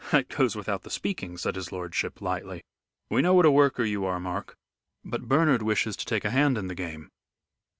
"That goes without the speaking," said his lordship, lightly; "we know what a worker you are, Mark. But Bernard wishes to take a hand in the game."